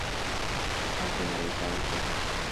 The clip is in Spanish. Al finalizar, el Rev.